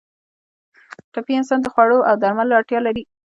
ټپي انسان د خوړو او درملو اړتیا لري.